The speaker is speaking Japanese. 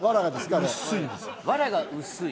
あれわらが薄い？